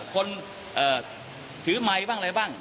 คนถือไมค์บ้างอะไรบ้าง